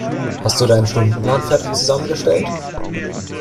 Hast du deinen Stundenplan fertig zusammengestellt?